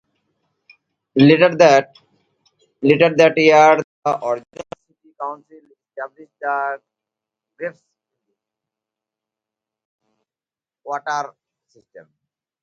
Later that year, the original city council established the Graysville Water Works system.